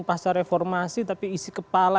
pasca reformasi tapi isi kepala